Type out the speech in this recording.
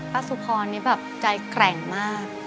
ป้าสุภรณ์นี่แบบใจแกร่งมาก